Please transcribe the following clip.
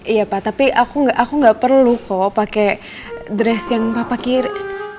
iya pa tapi aku gak perlu kok pakai dress yang papa kirim